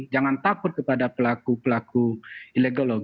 jangan takut kepada pelaku pelaku ilegal